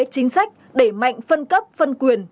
chính sách để mạnh phân cấp phân quyền